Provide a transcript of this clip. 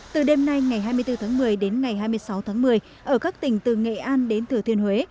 từ đêm nay ngày hai mươi bốn tháng một mươi đến ngày hai mươi sáu tháng một mươi ở các tỉnh từ nghệ an đến thừa thiên huế